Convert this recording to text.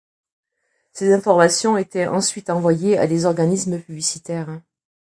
Ces informations étaient ensuite envoyées à des organismes publicitaires.